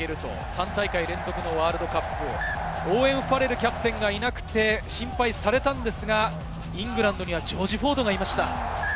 ３大会連続のワールドカップ、オーウェン・ファレルキャプテンがいなくて心配されたんですが、イングランドにはジョージ・フォードがいました。